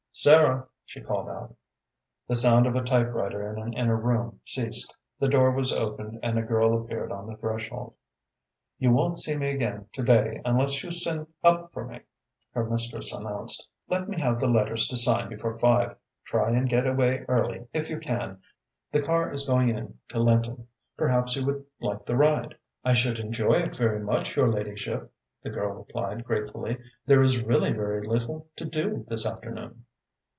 "Sarah," she called out. The sound of a typewriter in an inner room ceased. The door was opened and a girl appeared on the threshold. "You won't see me again to day unless you send up for me," her mistress announced. "Let me have the letters to sign before five. Try and get away early, if you can. The car is going in to Lynton. Perhaps you would like the ride?" "I should enjoy it very much, your ladyship," the girl replied gratefully. "There is really very little to do this afternoon."